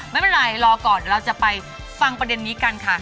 ไม่เป็นไรรอก่อนเราจะไปฟังประเด็นนี้กันค่ะ